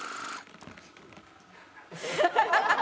ハハハハハ。